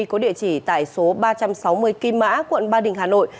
có địa chỉ tại số ba trăm sáu mươi kim mã tp hcm